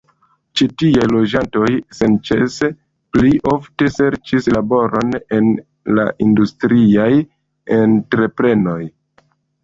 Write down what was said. Ĉi tieaj loĝantoj senĉese pli ofte serĉis laboron en la industriaj entreprenoj.